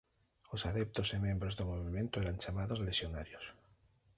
Os adeptos e membros do movemento eran chamados "lexionarios".